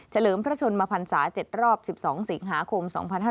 เลิมพระชนมพันศา๗รอบ๑๒สิงหาคม๒๕๕๙